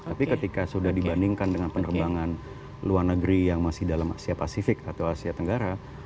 tapi ketika sudah dibandingkan dengan penerbangan luar negeri yang masih dalam asia pasifik atau asia tenggara